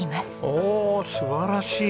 おお素晴らしい。